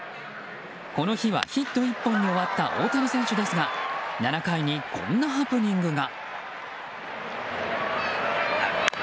この日は、ヒット１本に終わった大谷選手ですが７回にこんなハプニングが。